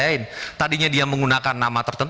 karena kita tidak bisa menggunakan nama yang berbeda